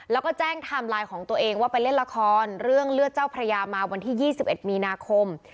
แล้วก็แจ้งไทม์ไลน์ของตัวเองว่าไปเล่นละครเรื่องเลือดเจ้าพระยามาวันที่๒๑มีนาคม